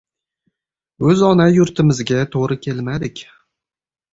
O‘z ona yurtimizga to‘g‘ri kelmadik.